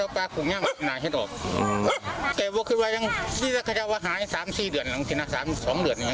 ว่าหาย๓๔เดือนหลังที่นักศึกษา๒เดือนยังยังเหลือ